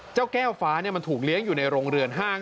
แก้วแก้วฟ้ามันถูกเลี้ยงอยู่ในโรงเรือนห้าง